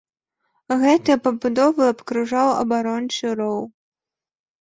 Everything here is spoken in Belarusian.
Гэтыя пабудовы абкружаў абарончы роў.